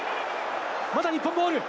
まだ日本ボール。